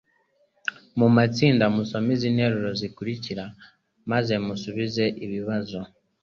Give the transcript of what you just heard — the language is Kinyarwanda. Mu matsinda musome izi nteruro zikurikira maze musubize ibibazo: